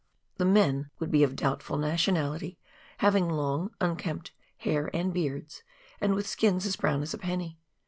The men would be of doubtful nationality, having long, unkempt hair and beards, and with skins as brown as a penny.